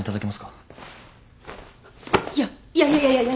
いやいやいやいや。